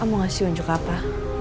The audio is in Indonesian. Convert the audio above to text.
aku mau ngasih wunjuk apa